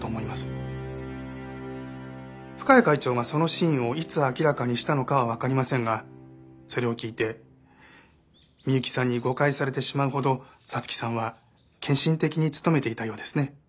深谷会長がその真意をいつ明らかにしたのかはわかりませんがそれを聞いて美幸さんに誤解されてしまうほど彩月さんは献身的に務めていたようですね。